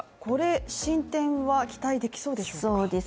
これ、進展は期待できそうでしょうか。